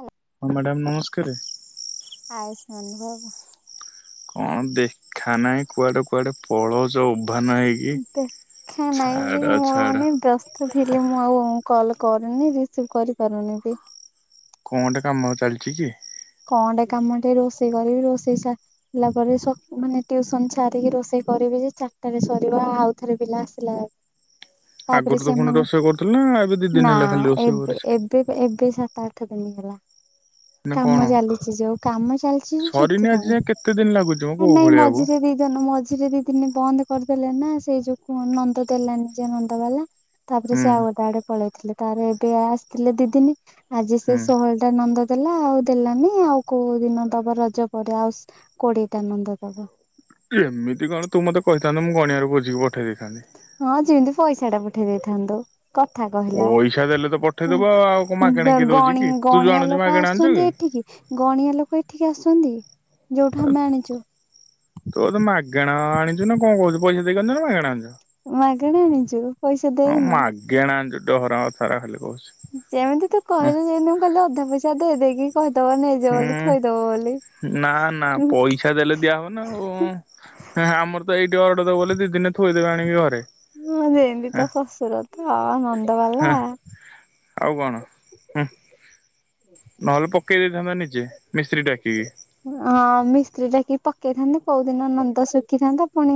ହୁଁ। ହଁ ମ୍ୟାଡ଼ାମ ନମସ୍କାରେ। ଆୟୁଷ୍ମାନ ଭବ। କଣ ଦେଖା ନାହିଁ, କୁଆଡେ କୁଆଡେ ପଳଉଚ ଉଭାନ ହେଇକି, ଦେଖା ନାହିଁ ବି ମୋର ଛାଡ-ଛାଡ। ମାନେ [unintelligible] ଥିଲି ମୁଁ ଆଉ କଲ୍ କରିନି ରିସିଭ୍ କରିପାରୁନି ବି। କଣ ଗୋଟେ କାମ ଆଉ ଚାଲିଚି କି? କଣଟେ କାମଟେ ରୋଷେଇ କରିବି ରୋଷେଇ ସା ହେଲା ପରେ ସକ୍ ମାନେ ଟ୍ୟୁସନ ସାରିକି ରୋଷେଇ କରିବି ଯେ ଚାରଟାରେ ସରିବ ଆଉ ଥରେ ପିଲା ଆସିଲା ତାପରେ ଆଗୁରୁ ତ ପୁଣି ସେମାନେ ରୋଷେଇ କରୁଥୁଲୁ ନା ଏବେ ଦି ନା ଦିନ ହେଲା ଖାଲି ରୋଷେଇ ଏବେ କରୁଚି? ଏବେ, ଏବେ ସାତ ଆଠ ଦିନ ହେଲା। ନା କଣ? କାମ ଚାଲିଚି ଯୋଉ କାମ ଚାଲିଚି ଯୋଉ ସରିନି ଆଜି ସେଥିପାଇଁ। ଯାଏ କେତେ ଦିନ ଲାଗୁଛି ମ କୋଉ ନାଇଁ ଭଳିଆକୁ ମଝିରେ ଦି ଜନ ମଝିରେ ଦି ଦିନେ ବନ୍ଦ କରିଦେଲେ ନା ସେଇ ଯୋଉ କୂଅଁ ନନ୍ଦ ଦେଲାନି ଯେ ନନ୍ଦବାଲା। ତାପରେ ହୁଁ ସେ ଆଉ କୁଆଡେ ପଳେଇଥିଲେ ତାରେ ଏବେ ଆ-ସିଥିଲେ ଦି ଦିନି ଆଜି ସେ ହୁଁ। ଷୋହଳ ଟା ନନ୍ଦ ଦେଲା ଆଉ ଦେଲାନି ଆଉ କୋଉ ଦିନ ଦବ ରଜ ପରେ ଆଉ ସ୍ କୋଡିଏଟା ନନ୍ଦ ଦବ। ଏମିତି କଣ ତୁ ମତେ କହିଥାନ୍ତୁ ମୁଁ ଗଣିଆରୁ ବୁଝିକି ପଠେଇ ଦେଇଥାନ୍ତି। ହଁ ଯେମିତି ପଇସାଟା ପଠେଇ ଦେଇଥାନ୍ତୁ। କଥା କହିଲା ପଇସା ଦେଲେ ତ ଉଁ ପଠେଇଦବୁ ଆଉ ଆଉ କଣ ଉଁ ମାଗେଣା ଗ କିଏ ଦଉଛି ଗଣି କି ତୁ ଯୋଉ ଗଣିଆ ଆଣୁଛୁ ଲୋକ ମାଗେଣା ଆଣୁଛୁ କି? ଆସୁଚନ୍ତି ଏଠିକି। ଗଣିଆ ଲୋକ ଏଠିକି ଆସୁଚନ୍ତି, ଯୋଉଠୁ ଆମେ ଆଣିଚୁ। ତୋର ତ ମାଗେଣା ଆ ଆଣିଚୁ ନା କଣ କହୁଚୁ ପଇସା ଦେଇକି ଆଣିଚ ନା ମାଗେଣା ଆଣିଚ? ମାଗେଣା ଆଣିଚୁ ପଇସା ଦେଇନୁ। ମାଗେଣା ଆଣିଚୁ ଡହରା କଥାଗୁରା ଖାଲି କହୁଚୁ। ଯେମିତି ତୁ କହିଲୁ ଯେମିତି ମୁଁ କାଲି ଅଧା ପଇସା ଦେଇ ଦେଇକି କହିଦେବ ନେଇଯା ବୋଲି ହୁଁ ଥୋଇଦେବ ବୋଲି ନା ନା ଉଁହୁଁ ଉଁ। ହେଁ-ହେଁ ଆମର ତ ଏଇଟି ଅର୍ଡର ଦବ ବୋଲେ ଦି ଦିନରେ ଥୋଇଦେବେ ଆଣିକି ଘରେ। ହଁ ଯେମିତି ହଁ ତ ଶ୍ୱଶୁର ତ ଆଉ ନନ୍ଦବାଲା। ହଁ ଆଉ କଣ ହୁଁ। ନହେଲେ ପକେଇ ଦେଇଥାନ୍ତା ନିଜେ ମିସ୍ତ୍ରୀ ଡାକିକି। ହଁ ମିସ୍ତ୍ରୀ ଡାକି ପକେଇଥାନ୍ତି କୋଉ ଦିନ ନନ୍ଦ ଶୁଖିଥାନ୍ତା ପୁଣି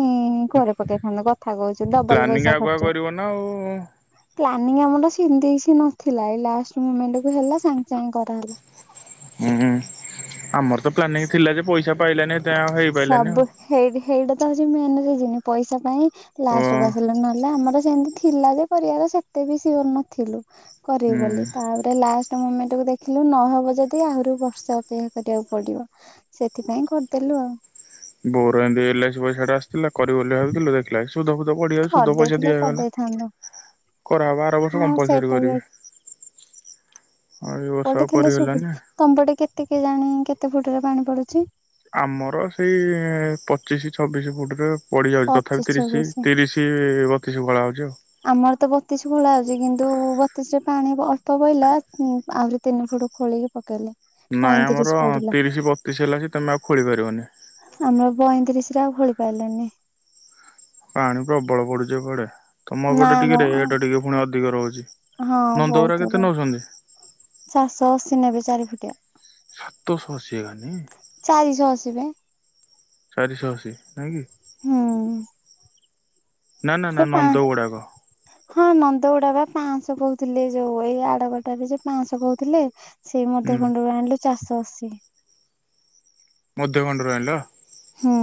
ଘରେ ପକେଇଥାନ୍ତୁ କଥା କହୁଚୁ ଡବଲ ପ୍ଲାନିଂ ପଇସା ଆଗୁଆ ଖର୍ଚ୍ଚ। କରିବ ନା ଆଉ ପ୍ଲାନିଂ ଆମର ସିମିତି କିଛି ନଥିଲା ଏଇ ଲାଷ୍ଟ ମୁମେଣ୍ଟକୁ ହେଲା ସାଙ୍ଗେ-ସାଙ୍ଗେ କରାହେଲା। ହୁଁ ଆମର ତ ପ୍ଲାନିଂ ଥିଲା ଯେ ପଇସା ପାଇଲାନି ଏ ସେ ସବୁ ହେଇ ହେଇଟା ତ ହଉଚି ମେନ୍ ରିଜିନି ପଇସା ପାଇଁ ଓ ଲାଷ୍ଟକୁ ଆସିଲୁ ନହେଲେ ଆମର ସେମିତି ଥିଲା ଯେ ପରିବାର ସେତେ ବେଶି ନଥିଲୁ। କରିବୁ ହୁଁ। ବୋଲି ତାପରେ ଲାଷ୍ଟ ଗୋଟେ ମୁମେଣ୍ଟକୁ ଦେଖିଲୁ ନଅ ହଜାର ଦେଇ ଆହୁରି ବର୍ଷେ ଅପେକ୍ଷା କରିବାକୁ ପଡିବ ସେଥିପାଇଁ କରି ତେଲୁ ଆଉ। ବୋଉର ଏମିତି ଏଲ୍ ଆଇ‌ ସି ପଇସାଟା ଆସିଥିଲା କରିବୁ ବୋଲି ଭାବିଥିଲୁ ଦେଖିଲା ବେଳକୁ ସୁଧ ଫୁ ସୁଧ ପଡିଯାଉଛି ସୁଧ ପଇସା କରିଦେଇଥିଲେ ଦିଆ ହେଇଗଲା, କରିଦେଇଥାନ୍ତୁ କରା ହେବ ଆର ବର୍ଷ ହଁ କମ୍ପଲସରି ସେଇଟା ବି କରିବି। ଆଉ କୂଅଟେ ଥିଲେ କରିହେଲାନି। ସୁବିଧା, ତମ ପଟେ କେତେ କେଜାଣି କେତେ ଫୁଟରେ ପାଣି ପଡୁଛି? ଆମର ସେଇ ପଚିଶି ଛବିଶ ଫୁଟରେ ପଡି ଯାଉଛି ତଥାପି ପଚିଶ ତିରିଶି ଛବିଶ। ତିରିଶି। କି ବତିଶ ଖୋଳା ହଉଛି ଆଉ। ଆମର ତ ବତିଶି ଖୋଳା ହଉଛି କିନ୍ତୁ ବତିଶି ରେ ପାଣି ଅଳ୍ପ ବହିଲା ଆହୁରି ତିନି ଫୁଟୁ। ଖୋଳିକି ପକେଇଲେ। ନାଇଁ ପଇଁତିରିଶ ଆମର ପଡିଲା ତିରିଶ ବତିଶି ହେଲା ଯେ ତମେ ଆଉ ଖୋଳି ପାରିବନି। ଆମର ପଇଁତିରିଶି ରେ ଆଉ ଖୋଳି ପାଇଲେନି। ପାଣି ପ୍ରବଳ ପଡୁଛି ଏ ପଡେ। ତମ ନା ଏପଟେ ଟିକେ ଆମ ରେଟ ଟିକେ ପୁଣି ଅଧିକ ରହୁଛି ହଁ ନନ୍ଦଗୁରା କେତେ ନେଉଛନ୍ତି। ଚାରିଶ ଅଶୀ ନେବେ ଚାରି ଫୁଟିଆ। ସାତଶ ଅସି ହେକା ନି ଚାରିଶ ଅଶୀ ବା। ଚାରିଶ ଅଶୀ ନାଇଁ କି। ହୁଁ। ନା ନା ସେ ନା ପା ନନ୍ଦଗୁଡ଼ାକ। ହଁ ନନ୍ଦ ଗୁଡାକ ବା ପାଆଁଶ କୋହୁଥିଲେ ଯୋଉ ଏଇ ଆଡଗଟାରେ ଯେ ପାଆଁଶ କହୁଥିଲେ। ସେଇ ହୁଁ ମଧ୍ୟ ଖଣ୍ଡରୁ ଆଣିଲୁ ଚାରିଷ ଅଶୀ। ମଧ୍ୟଖଣ୍ଡ ରୁ ଆଣିଲ। ହୁଁ।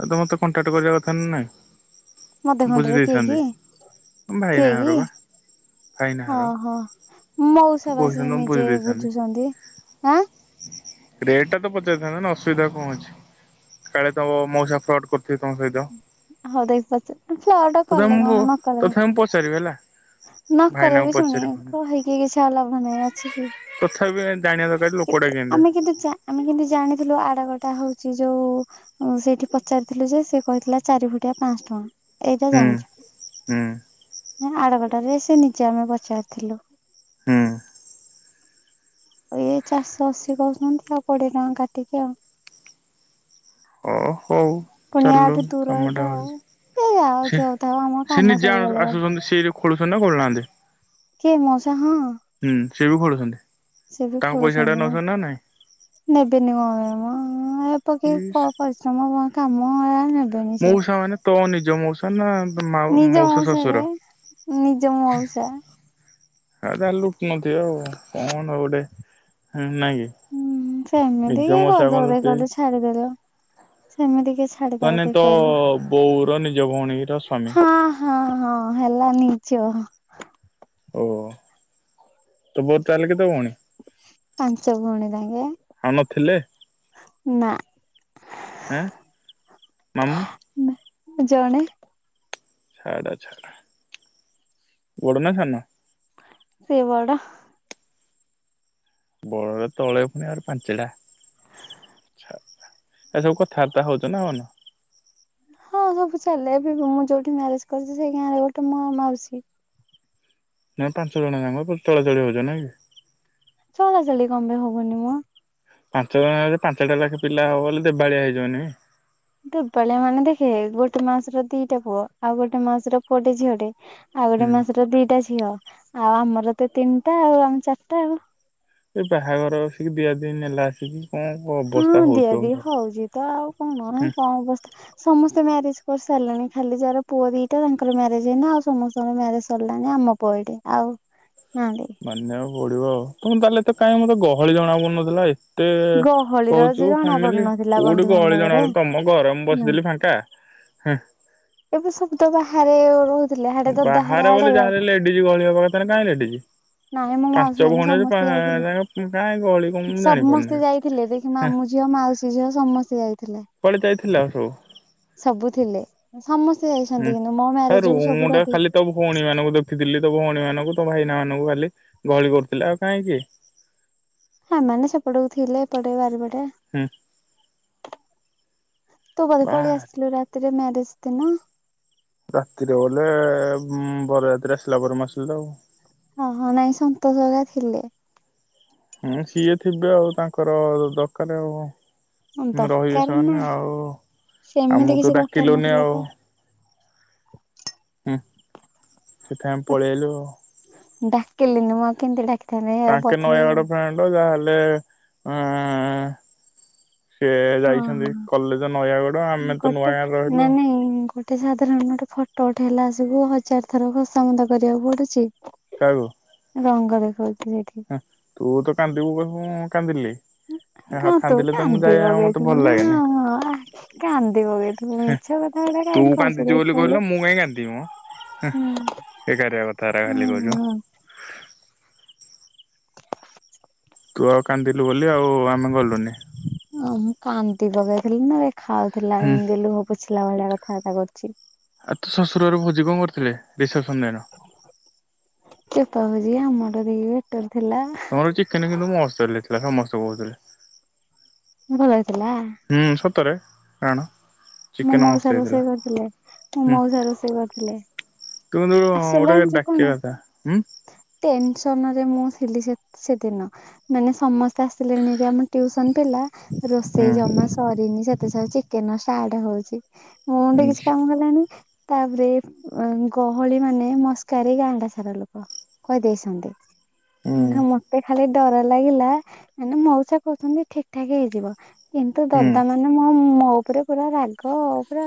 ଆଉ ତମେ ମତେ କଣ୍ଟାକ୍ଟ କରିବା କଥା ନା ନାଇଁ। ବୁଝି ମଧ୍ୟଖଣ୍ଡ ରେ କିଏ କି ଦେଇଥାନ୍ତି। କିଏ ଭାଇନାଘର କି। ବା ହଁ ଭାଇନାଘର ହଁ ମଉସ ବା କହିଥାନ୍ତ ସିଏ ମୁଁ ବୁଝି ନିଜେ ଦେଇଥାନ୍ତି ବୁଝୁଛନ୍ତି ଆଁ। ରେଟ୍ ଟା ତ ପଚାରିଥାନ୍ତ ନା ଅସୁବିଧା କଣ ଅଛି କାଳେ ତମ ମଉସା ଫ୍ରଡ୍ କରୁଥିବେ ତମ ସହିତ। ହଉ ଦେଖି ପାରୁଛ ଫ୍ଲଡ୍ ତଥାପି କଲେ ମୁଁ କଣ ନ କଲେ କଁ। ତଥାପି ମୁଁ ପଚାରିବି ହେଲା ନକଲେ ଭାଇନାଙ୍କୁ ବି ଶୁଣି ପଚାରିବି। କହିକି କିଛି ଆଉ ଲଭ ନାହିଁ ଅଛି କି। ତଥାପି ଏମତି ଜାଣିବା ଦରକାର ଲୋକଟା କେମତିଆ। [unintelligible] ଆମେ କିନ୍ତୁ ଜାଣିଥିଲୁ ଆଡେ ଗୋଟା ହଉଛି ଯୋଉ। ଉଁ ସେଇଠି ପଚାରିଥିଲୁ ଯେ ସେ କହିଥିଲା ଚାରି ଫୁଟିଆ ପାଆଁଶ ଟଙ୍କା। ଏଇଟା ହୁଁ ହୁଁ ଜାଣିଛି ଆଡଗୋଟାରେ ସେ ନିଜେ ଆମେ ପଚାରିଥିଲୁ। ହୁଁ। ଏଇ ଏ ଚାରିଶହ ଅଶୀ କହୁଛନ୍ତି ଆଉ କୋଡିଏ ଟଙ୍କା କାଟିକି ଆଉ। ଅ ହଉ। ପୁଣି ଚାଲୁ ୟାଠୁ ଦୂର ଏଇଟା କାମଟା ଆଉ। ହଉଛି ଏ ଯାଉ ସେ ଯୋଉ ଥାଉ ଆମ ସେ କାମ ନିଜେ ଆଣୁ ସରିଗଲା ଆସୁଛନ୍ତି ସେଇ ଲୋ ଖୋଳୁଛନ୍ତି ନା ଖୋଳୁ ନାହାନ୍ତି। କିଏ ମଉଷା ହୁଁ। ହୁଁ ସିଏ ବି ଖୋଳୁଛନ୍ତି ତାଙ୍କ ପଇସା ଟା ଖୋଳୁଛନ୍ତି ମ। ନଉଛନ୍ତି ନା ନାଇଁ। ନେବେନି କଁ ପାଇଁ ମ ଉଁ ଏଠି ତ କେହି ଇସ୍ ପ ପରିଶ୍ରମ କ କାମ। ନେବେନି ସେ। ମଉସା ମାନେ ତ ନିଜ ମଉସା ନା ତମ ମା ନିଜ ମଉସା ମଉସାରେ ଶଶୁର। ନିଜ ମଉଷା। ଆଉ ତା ଲୁଟୁ ନଥିବେ ଆଉ କଣ ଆଉ ଗୋଟେ ନାଇଁ କି। ହୁଁ ସେମିତି ନିଜ କିଏ ମଉସା କଣ କରିଦେବେ ଲୁଟେଇବେ କି? ଖାଲି ଛାଡିଦେଲ ସେମିତି କିଛି। ତା ମାନେ ତୋ ବୋଉର ନିଜ ଭଉଣୀର ସ୍ଵାମୀ। ହଁ ହଁ ହଁ ହେଲା ନିଜ। ଓ ତୋ ବୋଉ ତାହଲେ କେତ ଭଉଣୀ। ପାଞ୍ଚ ଭୁଉଣୀ ତାଙ୍କେ। ଆଉ ନଥିଲେ। ନା। ଆଁ ମାମୁଁ? ନା ଜଣେ ଛାଡ ଛାଡ, ବଡ ନା ସାନ? ସେ ବଡ। ବଡ଼ର ତଳେ ପୁଣି ଆହୁରି ପାଞ୍ଚେଟା। ଏସବୁ କଥାବାର୍ତ୍ତା ହଉଛ ନା ହଉନ? ହଁ ସବୁ ଚାଲେ, ଏବେ ମୁଁ ଯୋଉଠି ମ୍ୟାରେଜ କରିଛି ସେଇ ଗାଁରେ ଗୋଟେ ମୋ ମାଉସୀ ନଁ ପାଞ୍ଚ ଜଣ ଯାଙ୍କ ଚଳାଚଳି ହଉଛ ନାଇଁ କି? ଚଳା ଚଳି କପାଇଁ ହବୁନି ମ? ପାଞ୍ଚ ଜଣ ପାଞ୍ଚଟା ଲାଖେ ପିଲା ହବ ବଲେ ଦେବାଳିଆ ହେଇଯିବ ନାଇଁ? ଦେବାଳିଆ ମାନେ ଦେଖେ, ଗୋଟେ ମାଉସୀର ଦିଟା ପୁଅ ଆଉ ଗୋଟେ ମାଉସୀର ପୁଅଟେ ଝିଅଟେ। ଆଉ ଗୋଟେ ହୁଁ ମାଉସୀର ଦିଟା ଝିଅ ଆଉ ଆମର ତ ତିନିଟା ଆଉ ଆମେ ଚାରିଟା ଆଉ। ସେ ବାହାଘରଏସିକି ଦିଆ ଦିଇ ନେଲାଏସିକି ଉଁ [inaudible] ହଁ ଦିଆଦିଇ ହଉଛି ତ ଆଉ କଣ ନାଁ ହୁଁ କଣ ଅବସ୍ ସମସ୍ତେ ମ୍ୟାରେଜ କରିସାରିଲେଣି ଖାଲି ଯାର ପୁଅ ଦିଟା ତାଙ୍କର ମ୍ୟାରେଜ ହେଇନି ଆଉ ସମସ୍ତଙ୍କର ମ୍ୟାରେଜ ସରିଲାନି ଆମ ପଇଟେ ଆଉ ନାହାନ୍ତି। ମାନିବାକୁ ପଡିବ ଆଉ ତମ ତାହେଲେ ତ କାଇଁ ମତେ ଗହଳି ଜଣା ପଡ଼ନଥିଲା ଏଇ ଏତେ ଗହଳି ତ କହୁଛୁ ଜଣା ଫାମିଲି ପଡୁନଥିଲା କୋଉଠି ଗହଳି ଜଣା ବନ୍ଧୁବାନ୍ଧବରେ ତମ ଘରେ ମୁଁ ନା। ବସିଥିଲି ଫାଙ୍କା। ହଁ। ଏବେ ସବୁତ ବାହାରେ ରହୁ ବାହାରେ ବୋଲି ଯାହା ହେଲେ ଲେଡିଜି ଗହଳି ହବା କଥାନା କାଇଁ ଲେଡିଜି? ନାଇଁ ମୋ ମାଉସୀ ମାନେ ସମସ୍ତେ ଯାଇଥିଲେ, କାଇଁ ଗହଳି କଣ ମୁଁ ଜାଣିପାରୁନି ସମସ୍ତେ ହେଁ ଯାଇଥିଲେ ଦେ ମାମୁଁ ଝିଅ, ମାଉସୀ ଝିଅ ସମସ୍ତେ ଯାଇଥିଲେ। କୁଆଳେ ଯାଇଥିଲେ ଆଉ ସବୁ? ସବୁ ଥିଲେ, ସମସ୍ତେ ହୁଁ। ଯାଇଛନ୍ତି କିନ୍ତୁ ମୋ ହେ ମ୍ୟାରେଜକୁ ରୁମ୍ ଟା ସବୁଠୁ ଖାଲି ଅଧିକ ତୋ ଭଉଣୀ ମାନଙ୍କୁ ଦେଖିଥିଲି ତୋ ଭଉଣୀ ମାନଙ୍କୁ ତୋ ଭାଇନା ମାନଙ୍କୁ ଖାଲି ଗହଳି କରୁଥିଲେ ଆଉ କାଇଁ କିଏ? ଭାଇ ମାନେ ସେପଟକୁ ଥିଲେ ଏପଟେ ବାରିପଟେ। ହୁଁ। ତୁ ବଧେ ପଳେଇ ବାହାରେ ଆସିଥିଲୁ ରାତିରେ ମ୍ୟାରେଜ ଦିନ। ରାତିରେ ବଲେ ବର ୟାତ୍ରି ଆସିଲା ପରେ ମୁଁ ଆସିଲି ତ ଆଉ। ଅ ହ ନାଇଁ ସନ୍ତୋଷ ଘରିକା ଥିଲେ। ହୁଁ ସିଏ ଥିବେ ଆଉ, ତାଙ୍କର ଦରକାର ଆଉ। ମୁଁ ରହିବି ଦରକାର ନା ସେମାନେ ଆଉ ସେମିତି ଆମକୁ ତ କିଛି ଦରକାର ଡାକିଲୁନି ନଥିଲା ଆଉ। ତ। ହୁଁ। ସେଥି ଆମେ ପଳେଇଆଇଲୁ ଆଉ। ଡାକିଲିନି ମୁଁ ଆଉ କେମତି ଡାକି ତାଙ୍କେ ନୟାଗଡ ଫ୍ରେଣ୍ଡ ଯାହେଲେ ଉଁ ସେ ହଁ ଯାଇଛନ୍ତି ହଁ କଲେଜ ନୟାଗଡ, ଆମେ ତ ନୂଆ ଗାଁରେ ରହିଲୁ ଆଉ। ଗଟେ ସାଧାରଣ ଗୋଟେ ଫଟୋ ଉଠେଇଲା ଆସିକି ହଜାର ଥର ଖୋସା ମନ୍ତ କରିବାକୁ ପଡୁଛି। କାହାକୁ? ରଙ୍ଗ ଦେଖାଉଛି ସେଠି। ହୁଁ, ତୁ ତ କାନ୍ଦି ବୋବେଇବୁ ମୁଁ କାନ୍ଦିଲେ। ହଁ କହ ତୁ ତ ମୁଁ କାନ୍ଦି ଯାଏ ମତେ ପକେଇଥିବୁ ଭଲ ନା କାନ୍ଦି ପକେଇ ହେଁ, ତୁ କାନ୍ଦିଚୁ ବୋଲି କହିଲୁ ନା ମୁଁ କାହିଁ କାନ୍ଦିବି ମ? ହେଁ, ଏକାରିଆ କଥା ହେରା ହଁ ଖାଲି କହୁଛ। ହଁ ତୁ ଆଉ କାନ୍ଦିଲୁ ବୋଲି ଆଉ ଆମେ ଗଲୁନି। ଓ ମୁଁ କାନ୍ଦି ପକେଇଥିଲି ନା ଏ ଖାଉଥିଲା ହୁଁ। ଏମିତି ଲୁହ ପୋଛିଲା ଭଳିଆ କଥାବାର୍ତ୍ତା କରୁଛି। ଆଉ ତୁ ଶ୍ୱଶୁର ଘର ଭୋଜି କଣ କରିଥିଲେ ରିସେପସନ ଦିନ? ଚୁପା ଭୁଜି ଆମର [unintelligible] ବେଟର୍ ଥିଲା। ତମର ଚିକେନ କିନ୍ତୁ ମ ଷ୍ଟାଇଲରେ ଥିଲା ସମସ୍ତେ କହୁଥିଲେ। ଭଲ ହେଇଥିଲା। ହୁଁ ସତରେ ରାଣ। ମୋ ମଉସା ରୋଷେଇ କରିଥିଲେ ମୋ ମଉସା ରୋଷେଇ କରିଥିଲେ। ତୁମେ ଯଉ ଗୋଟେ ଡାକିବା କଥା ହୁଁ। ଟେନସନରେ ମୁଁ ଥିଲି ସେ ସେଦିନ ମାନେ ସମସ୍ତେ ଆସିଲେଣି ରେ ଆମେ। ଟିଉସନ ପିଲା ହୁଁ ରୋଷେଇ ଜମା ସରିନି ସେ ଏତେ ସାରା ଚିକେନ ଷ୍ଟାର୍ଟ ହଉଛି। ମ ମୁଣ୍ଡ କିଛି କାମ କଲାଣି। ତାପରେ ଗହଳି ମାନେ ମସ୍କାରେ ଏ ଗାଁଡା ସାରା ଲୋକ। କହି ଦେଇସନ୍ତି। ହୁଁ ମତେ ଖାଲି ଡର ଲାଗିଲା ମାନେ ମଉସା କହୁଛନ୍ତି ଠିକ ଠାକ ହେଇଯିବ। ଏନ୍ତୁ ହୁଁ ଦଦା ମାନେ ମୋ ମୋ ଉପରେ ପୁରା ରାଗ ପୁରା।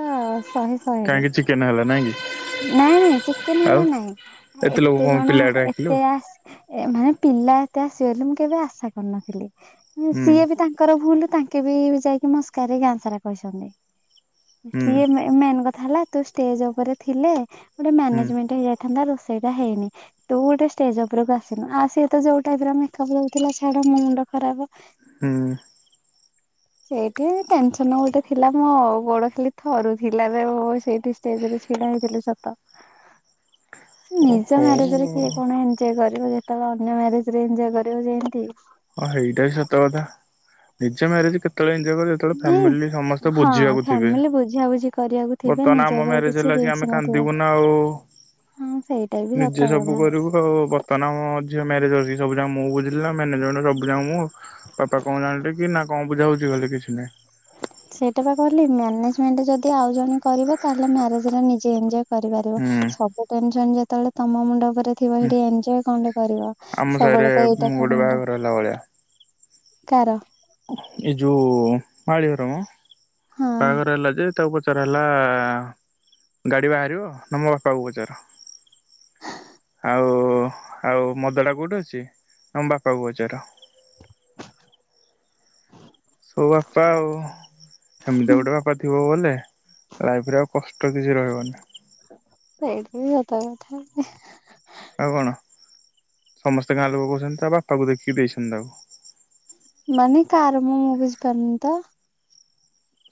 ଶହେ ଶହେରେ କାହିଁକି ଚିକେନ ହେଲାନ ନାଇଁ ନାଇଁ ଚିକେନ ହେଲା ନାଇଁ ଲୋକ ଏତେ କଣ ଜଣ ପିଲାଟେ ଡାକିଲୁ ହୁଁ ଏତେ ଆ ଏ ମାନେ ପିଲା ଏତେ ଆସିିବେ ବୋଲି ମୁଁ କେବେ ଆଶା କରିନଥିଲି ସିଏ ବି ହୁଁ ତା ତାଙ୍କର ଭୁଲ ତାଙ୍କେ ବି ଯାଇକି ମସ୍କାରେ ଗାଁସାରା କହିଛନ୍ତି। ସିଏ ମେ ମେନ୍ କଥା ହେଲା ତୁ ଷ୍ଟେଜ ଉପରେ ଥିଲେ ଗୋଟେ ହୁଁ ମ୍ୟାନେଜମେଣ୍ଟ ହେଇ ଥାନ୍ତା ରୋଷେଇଟା ହେଇନି। ତୁ ଗୋଟେ ଷ୍ଟେଜ ଉପରକୁ ଆସିନୁ ଆ ସିଏ ତ ଯୋଉ ଟାଇପ ର ମେକଅପ ଦଉଥିଲା ଛାଡ ମୁଣ୍ଡ ଖରାପ। ହୁଁ। ସେଇଠି ଟେନସନ ଗୋଟେ ଥିଲା। ମୋ ଗୋଡ ଖାଲି ଥରୁଥିଲାରେ ସେଇଠି ଷ୍ଟେଜେ ରେ ଛିଡା ହେଇଥିଲି ସତ। ଓ ନିଜ ହଉ ମ୍ୟାରେଜରେ ହଁ କିଏ କଣ ଏମ୍ ଜେ କରିବ ଯେ ତମ ଅନ୍ୟ ମ୍ୟରେଜେ ରେ ଏନଜୟ କରିବ ଯେମତି। ହଁ ହେଇଟା ବି ସତ କଥା ନିଜ ମ୍ୟାରେଜ କେତେବେଳେ ଏନଜୟେ କରିବ। ତର ନାଇଁ। ଫ୍ୟାମିଲି ସମସ୍ତେ ହଁ ବୁଝିବାକୁ ଥିବେ ଫ୍ୟାମିଲି ବୁଝାବୁଝି କରିବାକୁ ଥିବେ ବର୍ତ୍ତମାନ ନିଜ ଆମ ଉପରେ ମ୍ୟାରେଜ। କିଛି ହେଲାକି ରିକ୍ସ ଆମେ ନଥିବ। କାନ୍ଦିବୁ ନା ଆଉ। ହଁ ସେଇଟା ବି ସତ କ ବୁ କରିବୁ ଆଉ ବର୍ତ୍ତମାନ ଆମ ଝିଅ ମ୍ୟାରେଜ ଅଛି ସବୁ ଯାକ ମୁଁ ବୁଝିଲି ନା ମ୍ୟାନେଜ ସବୁ ଯାକ ମୁଁ ବାପା କଣ ଜାଣିଲେ କି ନା କଣ ବୁଝା ବୁଝି ହଉଛି କଲେ କିଛି ନାଇଁ। ସେଇଟା ବା କହିଲି ମାନେଜମେଣ୍ଟ ଯଦି ଆଉ ଜଣେ କରିବ ତାହେଲେ ମ୍ୟାରେଜରେ ନିଜେ ଏନଜ କରିପାରିବ ହୁଁ ସବୁ ଟେନସନ ଯେତେବେଳେ ତମ ମୁଣ୍ଡ ଉପରେ। ଥିବ ହୁଁ ହେଇଠି ଏନଜଏ କଣ ଟେ କରିବ ଆମ ସାହିରେ ସବୁବେଳେ ତ ଏଇଟା ଗୋଟେ କଣ ଟା ବାହାଘର କାର। ଏ ଜଉ ମାଳି ହର ମ ହଁ। ବାଘର ହେଲା ଯେ ତାପ ଚର ହେଲା ଗାଡି ବାହାରିବ ନା ମୋ ବାପାଙ୍କୁ ପଚାର। ଆଉ ଆଉ ମଦ ଡା କୋଉଠେ ଅଛି ନା ମ ବାପାଙ୍କୁ ପଚାର। ସବୁ ବାପା ଆଉ। ହେମିତିଆ ଗୋଟେ ବାପା ଥିବ ବୋଲେ ଲାଇଫ ରେ ଆଉ କଷ୍ଟ କିଛି ରହିବନି। ସେଇଟି ବି ସତ କଥା। ଆଉ କଣ ସମସ୍ତେ ଗାଁ ଲୋକ କହୁଛନ୍ତି ତା ଆ ବାପାକୁ ଦେଖିକି ଦେଇଛନ୍ତି ତାକୁ। ମାନେ କାହାର ମୁଁ ମୁଁ ବୁଝିପାରୁନି ତ।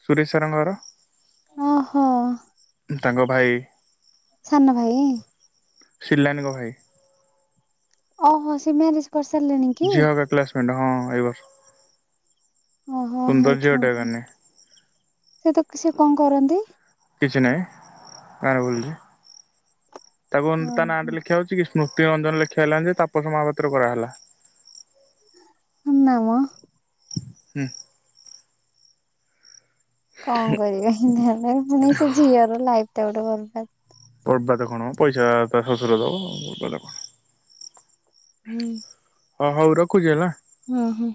ସୁରେଶ ସାରଙ୍କର। ଓହୋ। ତାଙ୍କ ଭାଇ। ସାନ ଭାଇ। ଶିଲଲାନି ଙ୍କ ଭା ଇ। ଓହୋ ସେ ମାରେଜ। କରିସାରିଲଣି। ଝିଅ ହ ଗା କ୍ଲାସମେଣ୍ଟ ହଁ ଏ ବର୍ଷ। ଓହୋ ସୁନ୍ଦର ଝିଅଟେ ଏକା ହେଇଥିବ ନେ ସେ ତ ସେ କଣ କରନ୍ତି? କିଛି ନହିଁ ଗାଁରେ ବୁଲୁଛି ତାକୁ ତା ଓହୋ ନାଁଟେ ଲେଖିବା ହଉଛି କି? ସ୍ମୃତିଆଞ୍ଜନ ଲେଖି ଆଇଲନି ଯେ ତାପସ ମହାପାତ୍ର କରାହେଲା। ନାମ। ହୁଁ। କଣ କରିବା ତାହେଲେ ମାନେ ସେ ଝିଅର ଲାଇଫ ଟା ଗୋଟେ ବର୍ବାଦ୍। ବର୍ବାଦ କଣ ପଇସା ତା ଶଶୁର ଦବ ବର୍ବାଦ କଣ? ହୁଁ। ହଁ ହଉ ରଖୁଚି ହେଲା। ହୁଁ ହୁଁ।